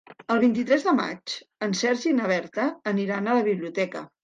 El vint-i-tres de maig en Sergi i na Berta aniran a la biblioteca.